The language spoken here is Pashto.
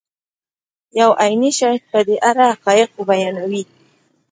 یو عیني شاهد په دې اړه حقایق بیانوي.